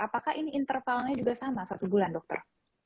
apakah ini intervalnya juga sama satu bulan dokter